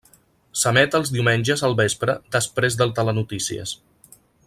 S'emet els diumenges al vespre després del Telenotícies.